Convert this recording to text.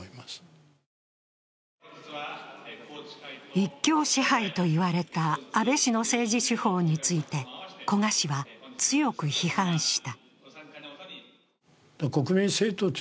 一強支配と言われた安倍氏の政治手法について、古賀氏は強く批判した。